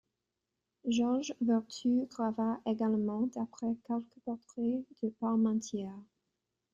George Vertue grava également d'après quelques portraits de Parmentier.